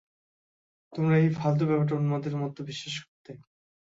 তোমরা এই ফালতু ব্যাপারটা উন্মাদের মতো বিশ্বাস করতে!